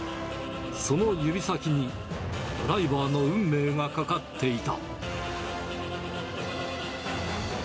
その指先にドライバーの運命がかかっていた。